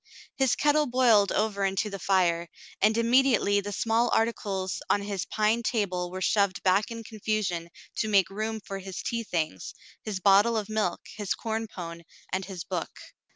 His kettle boiled over into the fire, and immediately the small articles on his pine table were shoved back in confusion to make room for his tea things, his bottle of milk, his corn pone, and his book.